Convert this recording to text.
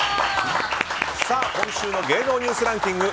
今週の芸能ニュースランキング